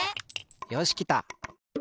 よしきた。